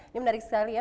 ini menarik sekali ya